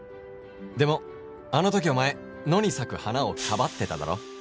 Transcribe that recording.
「でもあの時お前野に咲く花を庇ってただろ」